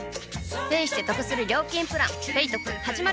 ペイしてトクする料金プラン「ペイトク」始まる！